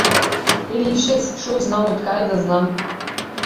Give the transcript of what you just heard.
Или шес, шо знам, откај да знам.